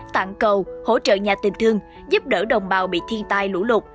tặng cầu hỗ trợ nhà tình thương giúp đỡ đồng bào bị thiên tai lũ lụt